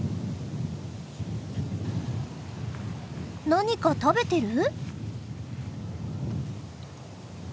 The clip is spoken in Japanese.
何か食べてる？